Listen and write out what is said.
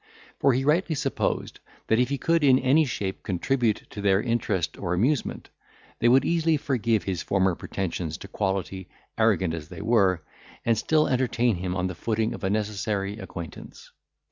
For he rightly supposed, that if he could in any shape contribute to their interest or amusement, they would easily forgive his former pretensions to quality, arrogant as they were, and still entertain him on the footing of a necessary acquaintance.